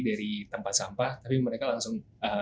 dari tempat sampah tapi mereka langsung